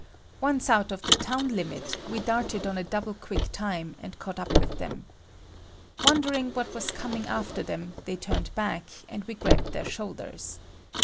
Once out of the town limit, we darted on a double quick time, and caught up with them. Wondering what was coming after them, they turned back, and we grabbed their shoulders.